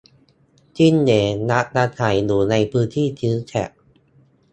จิ้งเหลน มักอาศัยอยู่ในพื้นที่ชื้นแฉะ